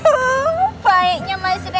aduh baiknya mas rendy ya